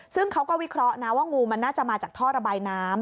ซึ่งเขาก็วิเคราะห์นะว่างูมันน่าจะมาจากท่อระบายน้ำ